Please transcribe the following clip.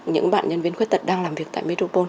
những bạn nhân viên khuyết tật đang làm việc tại meropol